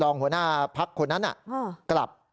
รองหัวหน้าพักคนนั้นน่ะกลับ